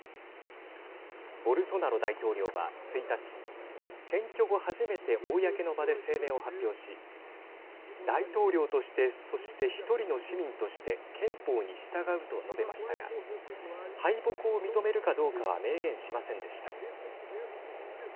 ボルソナロ大統領は１日選挙後、初めて公の場で声明を発表し大統領としてそして１人の市民として憲法に従うと述べましたが敗北を認めるかどうかは明言しませんでした。